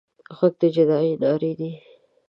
غږ د جدايي نارې دي